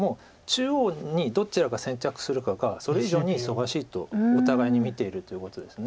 中央にどちらが先着するかがそれ以上に忙しいとお互いに見ているということです。